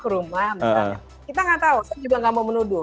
kita nggak tahu saya juga nggak mau menuduh